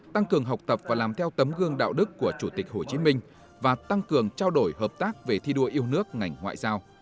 tăng cường học tập và làm theo tấm gương đạo đức của chủ tịch hồ chí minh và tăng cường trao đổi hợp tác về thi đua yêu nước ngành ngoại giao